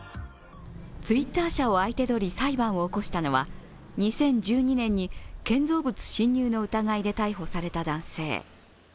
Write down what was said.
ツイッター社を相手取り裁判を起こしたのは２０１２年に建造物侵入の疑いで逮捕された男性。